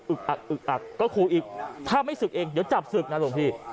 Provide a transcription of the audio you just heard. อักอึกอักก็ขู่อีกถ้าไม่ศึกเองเดี๋ยวจับศึกนะหลวงพี่